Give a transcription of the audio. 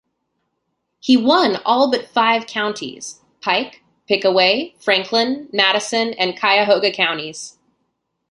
He won all but five counties: Pike, Pickaway, Franklin, Madison, and Cuyahoga counties.